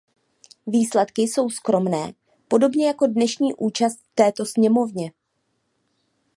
Výsledky jsou skromné, podobně jako dnešní účast v této sněmovně.